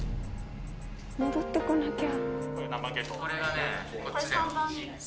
戻ってこなきゃ。